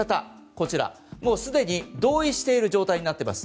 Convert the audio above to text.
こちらもう既に同意している状態になってます。